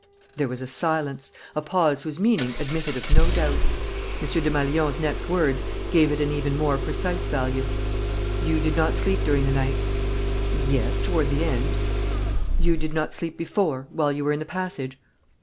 There was a silence, a pause whose meaning admitted of no doubt. M. Desmalions's next words gave it an even more precise value. "You did not sleep during the night?" "Yes, toward the end." "You did not sleep before, while you were in the passage?"